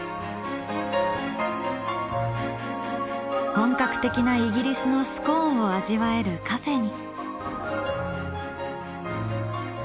本格的なイギリスのスコーンを味わえるカフェに。